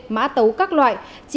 mã tấu các loại